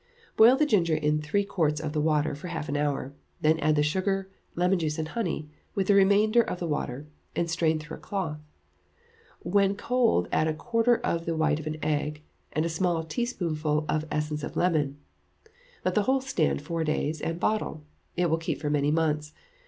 Boil the ginger in three quarts of the water for half an hour, then add the sugar, lemon juice and honey, with the remainder of the water, and strain through a cloth; when cold add a quarter of the white of an egg, and a small teaspoonful of essence of lemon; let the whole stand four days, and bottle; it will keep for many months.